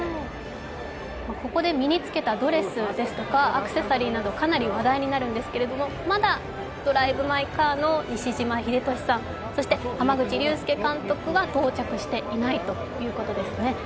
ここで身に付けたドレスですとかアクセサリーなどかなり話題になるんですけれども、まだ「ドライブ・マイ・カー」の西島秀俊さん、そして、濱口竜介監督は到着していないということですね。